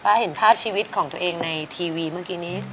เห็นภาพชีวิตของตัวเองในทีวีเมื่อกี้นี้